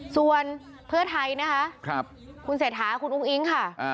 ส่วนเพื่อไทยนะคะคุณเศรษฐาคุณอุ้งอิ๊งค่ะ